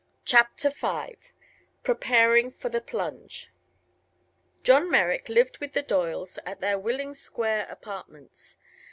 CHAPTER V PREPARING FOR THE PLUNGE John Merrick lived with the Doyles at their Willing Square apartments.